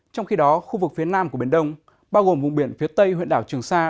trong khi đó khu vực phía nam của biển đông bao gồm vùng biển phía tây huyện đảo trường sa